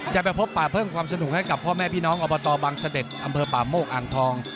จะไปพบป่าเพิ่มความสนุกให้กับพ่อแม่พี่น้องอบตบังเสด็จอำเภอป่าโมกอ่างทอง